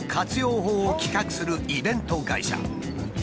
法を企画するイベント会社。